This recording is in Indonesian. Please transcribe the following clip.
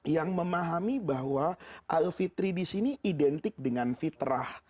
yang memahami bahwa alfitri disini identik dengan fitrah